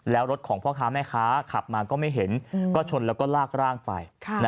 แล้วรถของพ่อค้าแม่ค้าขับมาก็ไม่เห็นก็ชนแล้วก็ลากร่างไป